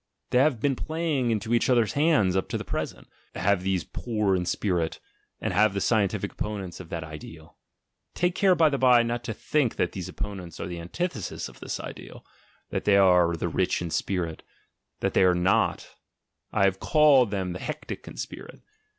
They have been playing into each other's hands up to the present, have these "poor in spirit" and the scientific opponents of that ideal (take care, by the bye, not to think that these op ponents are the antithesis of this ideal, that they are the rich in spirit — that they are not; I have called them the luetic in spirit).